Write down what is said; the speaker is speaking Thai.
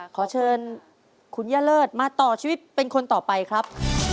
ขอเชิญคุณย่าเลิศมาต่อชีวิตเป็นคนต่อไปครับ